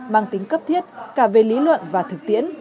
mang tính cấp thiết cả về lý luận và thực tiễn